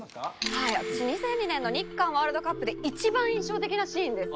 はい私２００２年の日韓ワールドカップで一番印象的なシーンです。